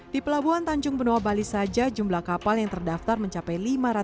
di pelabuhan tanjung benoa bali saja jumlah kapal yang terdaftar mencapai lima ratus